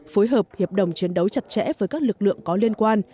phối hợp hiệp đồng chiến đấu chặt chẽ với các lực lượng có liên quan